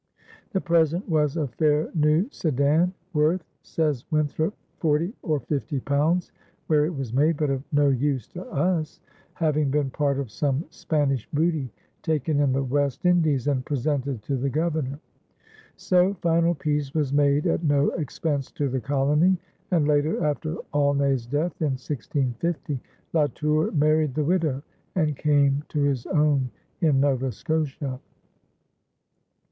The present was "a fair new sedan (worth," says Winthrop, "forty or fifty pounds, where it was made, but of no use to us)," having been part of some Spanish booty taken in the West Indies and presented to the Governor. So final peace was made at no expense to the colony; and later, after Aulnay's death in 1650, La Tour married the widow and came to his own in Nova Scotia.